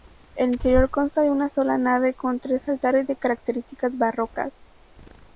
El interior consta de una sola nave con tres altares de características barrocas.